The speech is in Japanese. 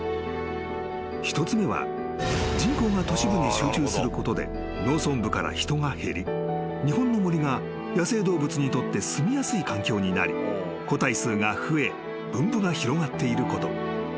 ［１つ目は人口が都市部に集中することで農村部から人が減り日本の森が野生動物にとって住みやすい環境になり個体数が増え分布が広がっていること］